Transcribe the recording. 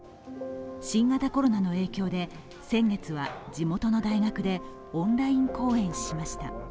新型コロナの影響で先月は地元の大学でオンライン講演しました。